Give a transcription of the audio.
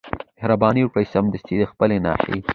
مهرباني وکړئ سمدستي د خپلي ناحيې